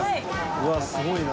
うわすごいな。